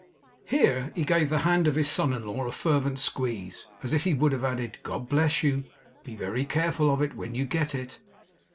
Here he gave the hand of his son in law a fervent squeeze, as if he would have added, 'God bless you; be very careful of it when you get it!